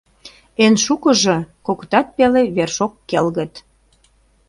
Эн шукыжо — кокытат пеле вершок келгыт.